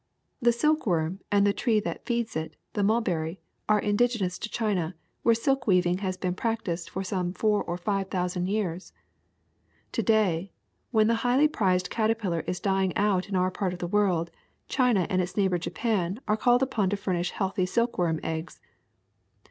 ^^ The silkworm and the tree that feeds it, the mul berry, are indigenous to China, where silk weaving has been practised for some four or five thousand years. To day, when the highly prized caterpillar is dying out in our part of the world, China and its neighbor Japan are called upon to furnish healthy silkworm eggs.